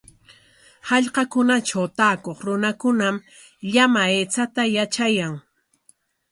Hallqakunatraw taakuq runakunam llama aychata yatrayan.